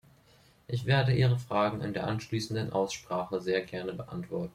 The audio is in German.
Ich werde Ihre Fragen in der anschließenden Aussprache sehr gerne beantworten.